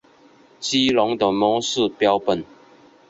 激龙的模式标本。